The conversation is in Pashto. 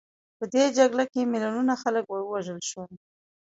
په دې جګړه کې میلیونونو خلک ووژل شول.